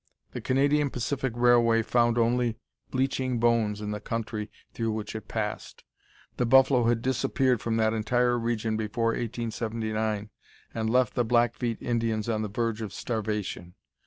The Canadian Pacific Railway found only bleaching bones in the country through which it passed. The buffalo had disappeared from that entire region before 1879 and left the Blackfeet Indians on the verge of starvation.